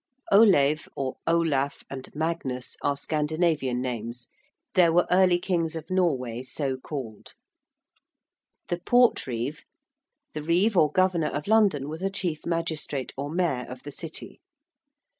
~Olave~ or ~Olaf~ and ~Magnus~ are Scandinavian names: there were early kings of Norway so called. ~The Portreeve~: the reeve or governor of London was a chief magistrate or mayor of the City.